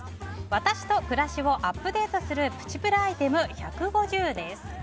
私と暮らしをアップデートするプチプラアイテム１５０です。